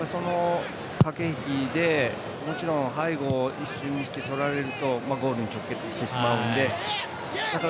駆け引きでもちろん、背後を一瞬にして取れるのでゴールに直結してしまうので。